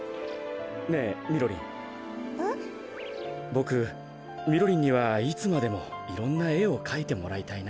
ボクみろりんにはいつまでもいろんなえをかいてもらいたいな。